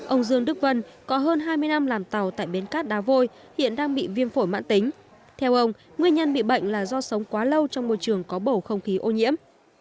ông dương đức vân có hơn hai mươi năm làm tàu tại bến cát đá vôi hiện đang bị viêm phổi mãn tính theo ông nguyên nhân bị bệnh là do sống quá lâu trong môi trường có bầu không khí ô nhiễm